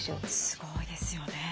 すごいですよね。